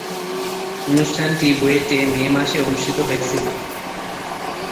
অনুষ্ঠানটি বুয়েটে মে মাসে অনুষ্ঠিত হয়েছিলো।